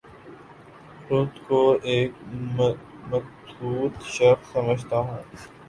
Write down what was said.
خود کو ایک متوسط شخص سمجھتا ہوں